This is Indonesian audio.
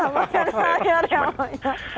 makan sayur yang banyak